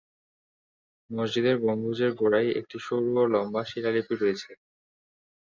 মসজিদের গম্বুজের গোড়ায় একটি সরু ও লম্বা শিলালিপি রয়েছে।